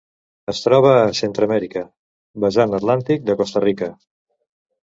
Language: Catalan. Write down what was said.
Es troba a Centreamèrica: vessant atlàntic de Costa Rica.